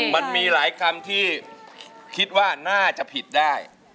มันมีหลายคำที่คิดว่าน่าจะผิดได้